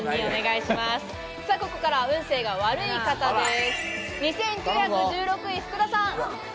ここからは運勢が悪い方です。